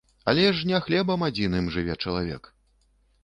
Але ж не хлебам адзіным жыве чалавек.